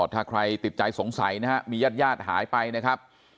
ถ้าใครติดใจสงสัยนะฮะมีญาติญาติหายไปนะครับ